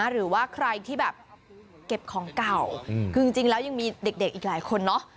หรือว่าใครที่แบบเก็บของเก่าคือจริงแล้วยังมีเด็กอีกหลายคนเนาะ